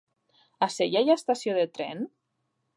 A Sella hi ha estació de tren?